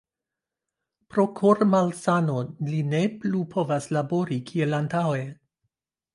Pro kor-malsano li ne plu povas labori kiel antaŭe.